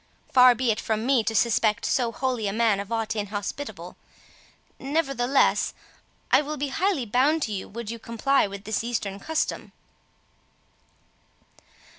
Far be it from me to suspect so holy a man of aught inhospitable; nevertheless I will be highly bound to you would you comply with this Eastern custom."